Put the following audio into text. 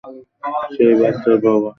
সে এই বাচ্চার বাবা।